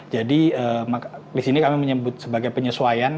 jadi di sini kami menyebut sebagai penyesuaian